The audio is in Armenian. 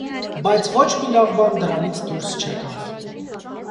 Բայց ոչ մի լավ բան դրանից դուրս չեկավ։